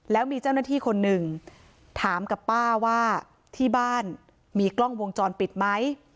แล้วมีเจ้าหน้าที่คนหนึ่งถามกับป้าว่าที่บ้านมีกล้องวงจรปิดไหม